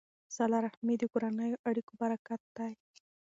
صله رحمي د کورنیو اړیکو برکت دی.